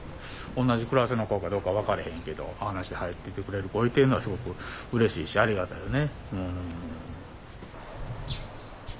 同じクラスの子かどうか分かれへんけどあんなんして入って来てくれる子がいてるのはすごくうれしいしありがたいよね。